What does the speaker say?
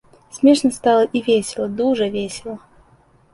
Смешна стала і весела, дужа весела.